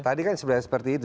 tadi kan sebenarnya seperti itu